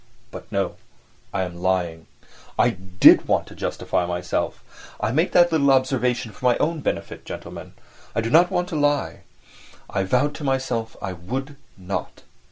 But, no! I am lying. I did want to justify myself. I make that little observation for my own benefit, gentlemen. I don't want to lie. I vowed to myself I would not.